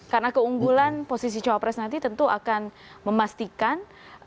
karena keunggulan posisi cowapres nanti tentu akan memastikan